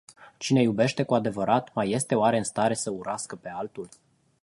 Cine iubește cu adevărat, mai este oare în stare să urască pe altul?